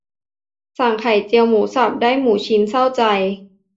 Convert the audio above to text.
สั่งไข่เจียวหมูสับได้หมูชิ้น เศร้าใจ